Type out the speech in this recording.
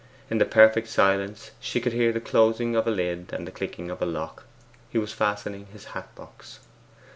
In the perfect silence she could hear the closing of a lid and the clicking of a lock, he was fastening his hat box.